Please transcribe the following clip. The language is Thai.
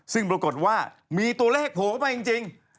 ซึ่งปรากฏว่ามีตัวเลขโผล่เข้ามาจริง